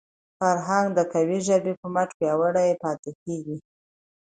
فرهنګ د قوي ژبي په مټ پیاوړی پاتې کېږي.